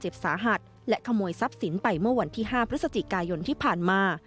สาหัสและขโมยทรัพย์สินไปเมื่อวันที่๕พฤศจิกายนที่ผ่านมา